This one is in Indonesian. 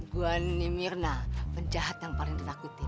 gua ini mirna penjahat yang paling ditakuti